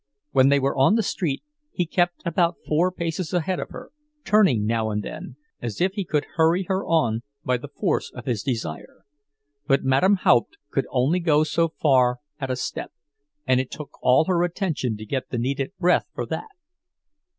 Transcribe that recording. When they were on the street he kept about four paces ahead of her, turning now and then, as if he could hurry her on by the force of his desire. But Madame Haupt could only go so far at a step, and it took all her attention to get the needed breath for that.